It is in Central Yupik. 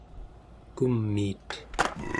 kumiit